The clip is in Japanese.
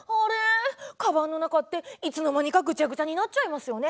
かばんの中っていつの間にかグチャグチャになっちゃいますよね。